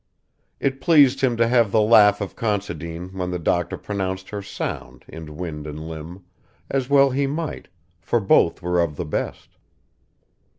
It pleased him to have the laugh of Considine when the doctor pronounced her sound in wind and limb as well he might, for both were of the best.